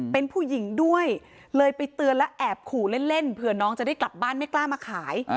เป็นผู้หญิงด้วยเลยไปเตือนและแอบขู่เล่นเผื่อน้องจะได้กลับบ้านไม่กล้ามาขาย